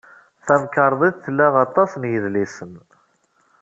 Tamkarḍit tla aṭas n yidlisen.